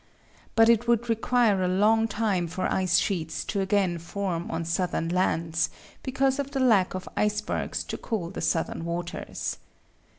But it would require a long time for ice sheets to again form on southern lands, because of the lack of icebergs to cool the southern waters.